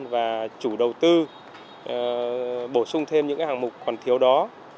và chủ đầu tư bổ sung thêm những hàng mục còn thiếu đó